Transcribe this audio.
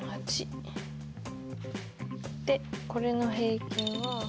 でこれの平均は。